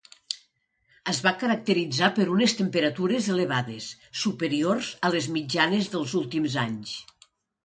Es va caracteritzar per unes temperatures elevades, superiors a les mitjanes dels últims anys.